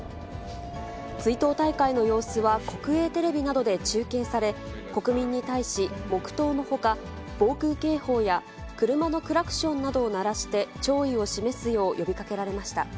追悼大会の様子は、国営テレビなどで中継され、国民に対し、黙とうのほか、防空警報や車のクラクションなどを鳴らして、弔意を示すよう呼びかけられました。